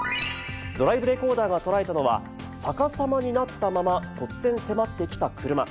ドライブレコーダーが捉えたのは、逆さまになったまま、突然迫ってきた車。